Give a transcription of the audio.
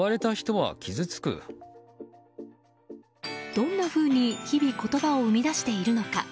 どんなふうに日々、言葉を生み出しているのか。